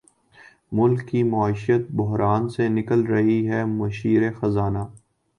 ملک کی معیشت بحران سے نکل رہی ہے مشیر خزانہ